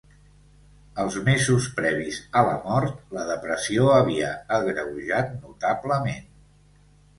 Els mesos previs a la mort, la depressió havia agreujat notablement.